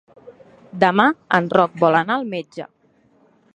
Demà en Roc vol anar al metge.